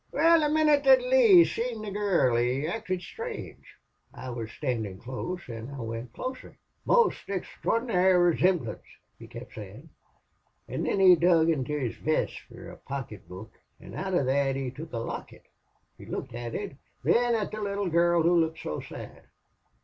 "Wal, the minnit that Lee seen the gurl he acted strange. I wuz standin' close an' I went closer. 'Most exthraordinary rezemblance,' he kept sayin'. An' thin he dug into his vest fer a pocket book, an' out of that he took a locket. He looked at it thin at the little gurl who looked so sad.